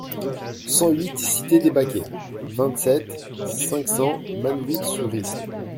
cent huit cité des Baquets, vingt-sept, cinq cents, Manneville-sur-Risle